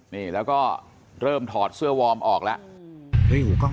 นี่แล้วก็เริ่มถอดเสื้อวอร์มออกแล้ว